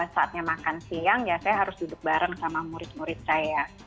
saatnya makan siang ya saya harus duduk bareng sama murid murid saya